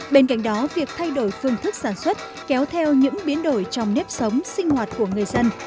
bên cạnh đó việc thay đổi phương thức sản xuất kéo theo những biến đổi trong nếp sống sinh hoạt của người dân